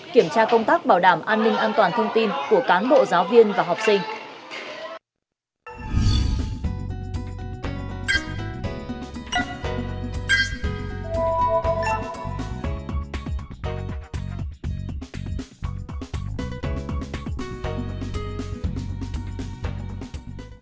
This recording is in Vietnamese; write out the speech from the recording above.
các nhà công tác bảo đảm an ninh an toàn thông tin của cán bộ giáo viên và học sinh